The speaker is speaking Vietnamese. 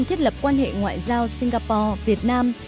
thiết lập quan hệ ngoại giao singapore việt nam